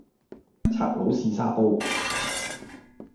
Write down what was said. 賊佬試沙煲